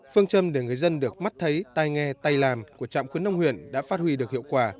phương châm để người dân được mắt thấy tay nghe tay làm của trạm khuyến nông huyện đã phát huy được hiệu quả